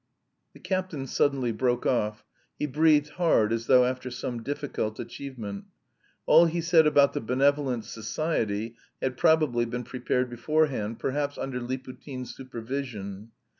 The captain suddenly broke off; he breathed hard as though after some difficult achievement. All he said about the benevolent society had probably been prepared beforehand, perhaps under Liputin's supervision.